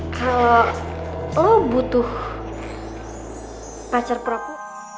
kalau lo butuh pacar perokok